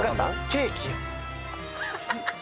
ケーキ？